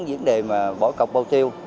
với vấn đề bỏ cọc bầu tiêu